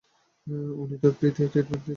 উনি তো ফ্রিতেই ট্রিটমেন্ট দিচ্ছেন।